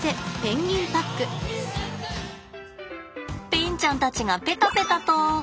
ペンちゃんたちがペタペタと。